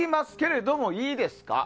でも、いいですか。